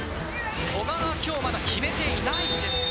古賀は今日まだ決めていないんですね。